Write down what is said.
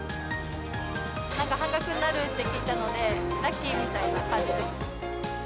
なんか半額になると聞いたので、ラッキーみたいな感じです。